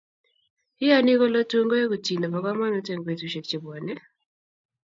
Iyoni kole tun koeku chi nebo komonut eng betusiek chebwine